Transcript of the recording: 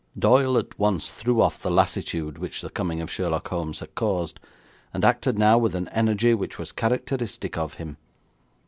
Doyle at once threw off the lassitude which the coming of Sherlock Holmes had caused, and acted now with an energy which was characteristic of him.